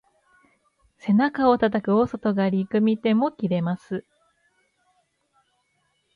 背中をたたく大外刈り、組み手も切れます。